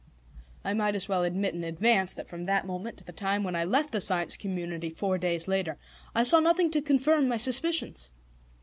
I might as well admit in advance that from that moment to the time when I left the Science Community four days later, I saw nothing to confirm my suspicions.